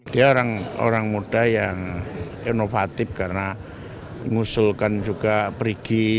dia orang muda yang inovatif karena mengusulkan juga pergi